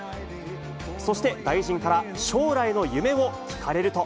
そして、大臣から将来の夢を聞かれると。